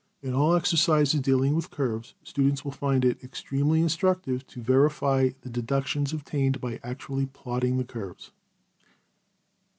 } In all exercises dealing with curves, students will find it extremely instructive to verify the deductions obtained by actually plotting the curves.